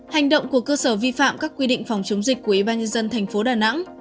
hành động của cơ sở vi phạm các quy định phòng chống dịch của ủy ban nhân dân thành phố đà nẵng